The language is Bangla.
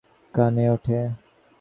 ভয় হইয়াছিল, পাছে আমার স্ত্রীর কানে ওঠে।